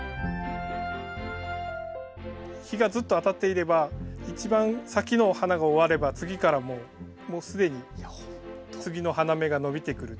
日がずっと当たっていれば一番先の花が終われば次からもう既に次の花芽が伸びてくる。